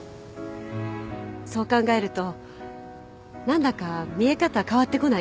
そう考えると何だか見え方変わってこない？